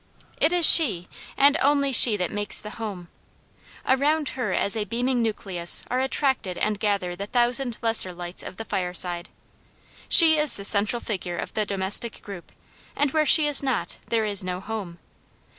It is she, and only she that makes the home. Around her as a beaming nucleus are attracted and gather the thousand lesser lights of the fireside. She is the central figure of the domestic group, and where she is not, there is no home.